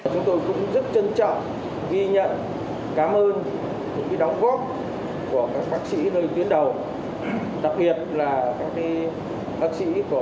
chúng tôi cũng rất trân trọng ghi nhận cảm ơn đồng góp của các bác sĩ nơi tuyến đầu